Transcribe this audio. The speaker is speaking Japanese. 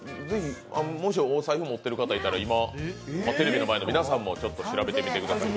もしお財布持ってる方いたら今、テレビの前の皆さんも調べてみてください。